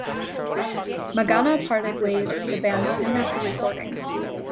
Magana parted ways with the band soon after recording.